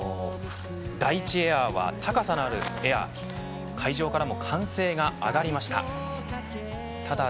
第１エアは高さのあるエアに会場からも歓声が上がりました。